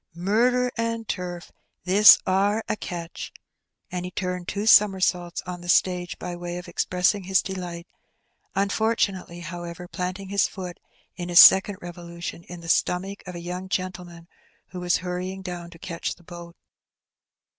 Murder and turf! this are a catch !*' And he turned two somersaults on the stage by way of expressing his delight, unfortunately, however, planting his foot in his second revolution in the stomach of a young gentleman who was hurrying down to catch the boat.